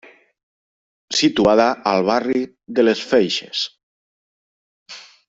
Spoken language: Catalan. Situada al barri de les Feixes.